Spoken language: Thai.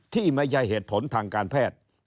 ที่ไม่ใช่เหตุผลทางการแพทย์